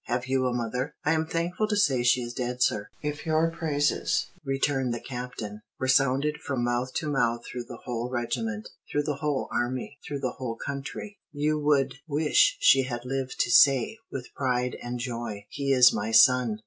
Have you a mother?" "I am thankful to say she is dead, sir." "If your praises," returned the Captain, "were sounded from mouth to mouth through the whole regiment, through the whole army, through the whole country, you would wish she had lived to say, with pride and joy, 'He is my son!'"